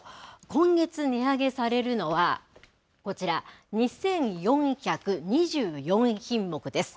今月、値上げされるのは、こちら、２４２４品目です。